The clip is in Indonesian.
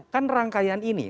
kan rangkaian ini